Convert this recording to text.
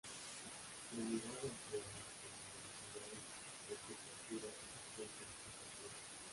La unidad empleada con la velocidad de curvatura es el factor de curvatura.